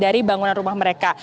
dari bangunan rumah mereka